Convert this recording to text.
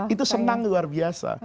itu senang luar biasa